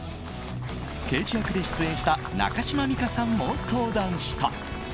刑事役で出演した中島美嘉さんも登壇した。